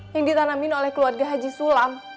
yang ditanamin oleh keluarga haji sulam